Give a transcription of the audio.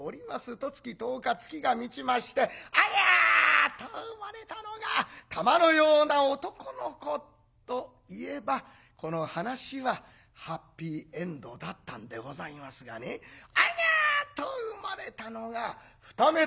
十月十日月が満ちまして「おぎゃ」と生まれたのが玉のような男の子と言えばこの話はハッピーエンドだったんでございますがね「おぎゃ」と生まれたのが二目と見られぬ女の子。